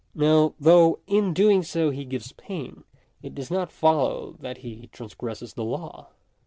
Now, though in doing so he gives pain, it does not follow that he transgresses the law.